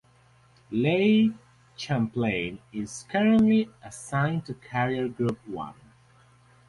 "Lake Champlain" is currently assigned to Carrier Group One.